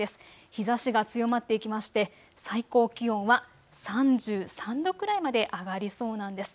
日ざしが強まっていきまして最高気温は３３度くらいまで上がりそうなんです。